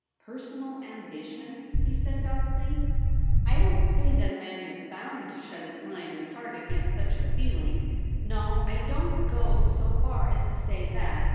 ^ Personal ambition ?' he said doubtfully. * I don't say that a man is bound to shut his mind and heart against such a feeling ; no, I don't go so far as to say that.